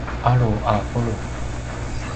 alu a pulu’